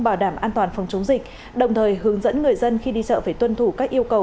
bảo đảm an toàn phòng chống dịch đồng thời hướng dẫn người dân khi đi chợ phải tuân thủ các yêu cầu